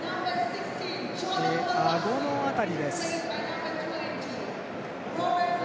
あごの辺りです。